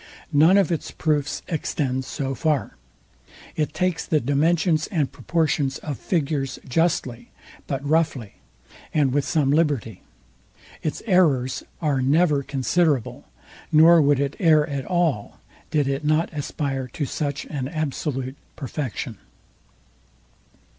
None of its proofs extend so far. It takes the dimensions and proportions of figures justly; but roughly, and with some liberty. Its errors are never considerable; nor would it err at all, did it not aspire to such an absolute perfection.